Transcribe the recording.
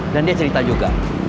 dan dia cerita juga